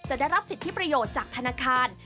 ได้รับสิทธิประโยชน์จากธนาคาร